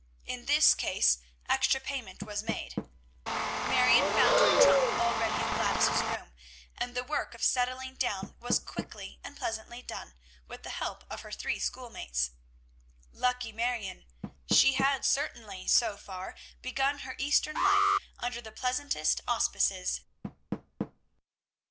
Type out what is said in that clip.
In this case extra payment was made. Marion found her trunk already in Gladys's room, and the work of settling down was quickly and pleasantly done, with the help of her three schoolmates. Lucky Marion! She had certainly, so far, begun her Eastern life under the pleasantest auspices.